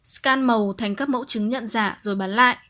scan màu thành các mẫu chứng nhận giả